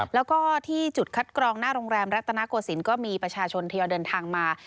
แล้วก็ที่จุดคัดกรองหน้าโรงแรมรัตนโกศิลป์ก็มีประชาชนทยอยเดินทางมา